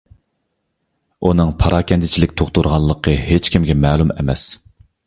ئۇنىڭ پاراكەندىچىلىك تۇغدۇرغانلىقى ھېچكىمگە مەلۇم ئەمەس.